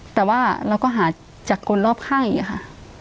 แต่ว่าเราก็หาจากคนรอบข้างอีกค่ะ